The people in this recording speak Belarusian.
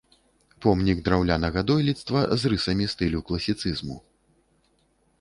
Помнік драўлянага дойлідства з рысамі стылю класіцызму.